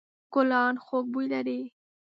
ګلان خوږ بوی لري.